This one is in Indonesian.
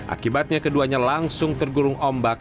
akibatnya keduanya langsung tergurung ombak